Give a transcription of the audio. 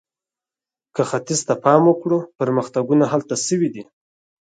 که ختیځ ته پام وکړو، پرمختګونه هلته شوي دي.